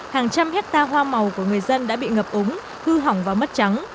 hàng trăm hectare hoa màu của người dân đã bị ngập úng hư hỏng và mất trắng